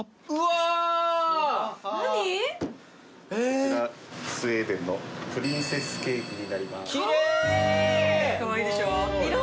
こちらスウェーデンのプリンセスケーキになります。